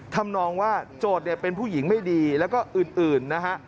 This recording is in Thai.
ทำนองว่าโจทย์เนี่ยเป็นผู้หญิงไม่ดีแล้วก็อื่นนะฮะ